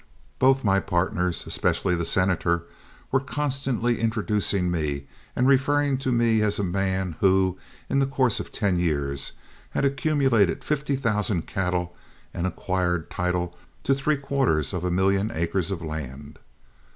Both my partners, especially the Senator, were constantly introducing me and referring to me as a man who, in the course of ten years, had accumulated fifty thousand cattle and acquired title to three quarters of a million acres of land.